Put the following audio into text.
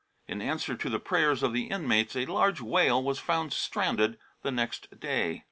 In answer to the prayers of the inmates a large whale was found stranded the next day.